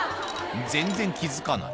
全然気付かない